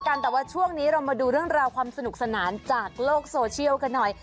แต่ว่าช่วงนี้เรามาดูเรื่องราวความสนุกสนานจากโลกโซเชียลกันหน่อย